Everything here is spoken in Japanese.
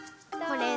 これ！